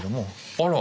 あら。